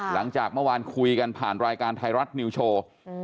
หลังจากเมื่อวานคุยกันผ่านรายการไทยรัฐนิวโชว์